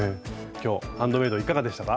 今日「ハンドメイド」いかがでしたか？